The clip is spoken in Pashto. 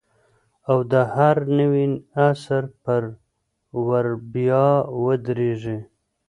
او د هر نوي عصر پر ور بیا ودرېږي